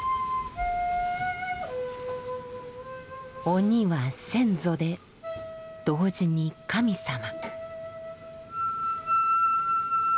鬼は先祖で同時に神様。